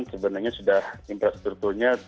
sebenarnya sudah infrastrukturnya